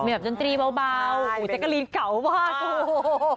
มีฯันตรีเบาแจ๊กกะลีนเก่ามาก